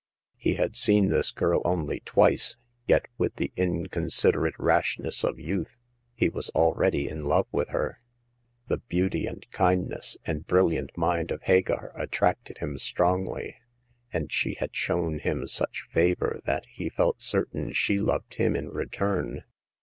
He had seen this girl only twice, yet, with the inconsiderate rashness of youth, he was already in love with her. The beauty and kindness and brilliant mind of Hagar attracted him strongly ; and she had shown him such favor that he felt certain she loved him in return.